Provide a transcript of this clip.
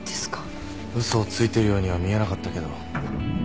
嘘をついてるようには見えなかったけど。